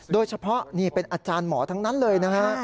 โดยเฉพาะนี่เป็นอาจารย์หมอทั้งนั้นเลยนะฮะ